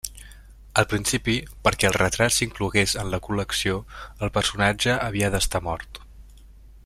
Al principi, perquè el retrat s'inclogués en la col·lecció, el personatge havia d'estar mort.